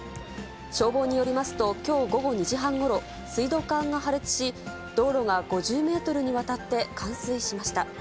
消防によりますと、きょう午後２時半ごろ、水道管が破裂し、道路が５０メートルにわたって冠水しました。